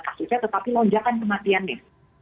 kasusnya tetapi lonjakan kematiannya